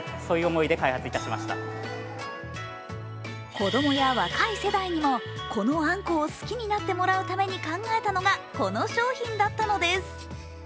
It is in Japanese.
子供や若い世代にもこのあんこを好きになってもらうために考えたのがこの商品だったのです。